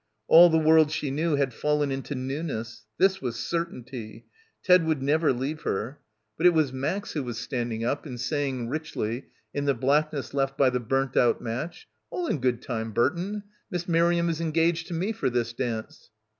All the world she knew had fallen into newness. This was certainty. Ted would never leave her. But it was Max who was standing up and saying richly in the blackness left by the burnt out — 71 — PILGRIMAGE match, "All in good time, Burton. Miss Miriam is engaged to me for this dance."